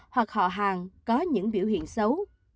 hoặc họ hàng có những biểu hiện xấu